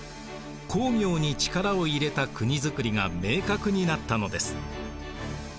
工業に力を入れた国づくりが明確になったのです。